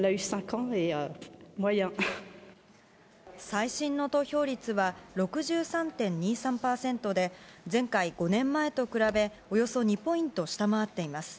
最新の投票率は６３．２３％で、前回・５年前と比べ、およそ２ポイント下回っています。